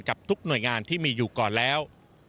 กับทุกหน่วยงานที่มีอยู่ก่อนแล้ว